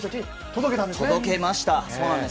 届けました。